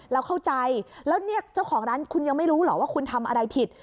เราเข้าใจแล้วเนี่ยเจ้าของร้านคุณยังไม่รู้เหรอว่าคุณทำอะไรผิด